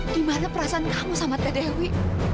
gimana perasaan kamu sama teh dewi